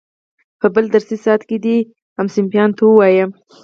په بل درسي ساعت کې دې ټولګیوالو ته ووایي.